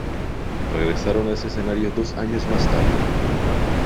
Regresaron a ese escenario dos años más tarde.